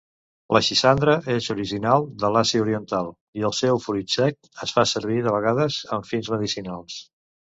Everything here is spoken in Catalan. La "Schisandra" és original de l'Àsia Oriental, i el seu fruit sec es fa servir de vegades amb fins medicinals.